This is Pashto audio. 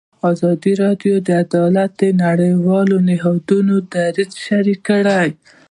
ازادي راډیو د عدالت د نړیوالو نهادونو دریځ شریک کړی.